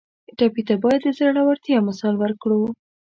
ټپي ته باید د زړورتیا مثال ورکړو.